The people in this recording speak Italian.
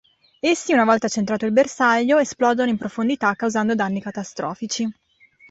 Essi, una volta centrato il bersaglio, esplodono in profondità causando danni catastrofici.